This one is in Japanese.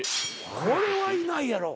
これはいないやろ。